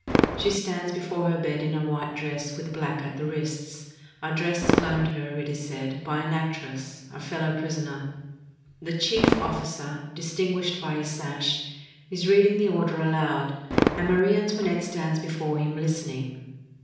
She stands before her bed in a white dress with black at the wrists, a dress loaned her, it is said, by an actress, a fellow prisoner. The chief officer, dis tinguished by his sash, is reading the order aloud, and Marie Antoinette .stands before him listening.